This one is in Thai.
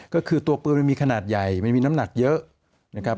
ก็คือตัวปืนมันมีขนาดใหญ่มันมีน้ำหนักเยอะนะครับ